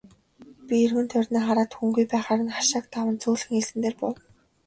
Би эргэн тойрноо хараад хүнгүй байхаар нь хашааг даван зөөлхөн элсэн дээр буув.